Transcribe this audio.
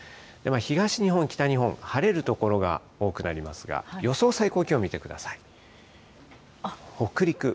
東日本、北日本、晴れる所が多くなりますが、予想最高気温見てください。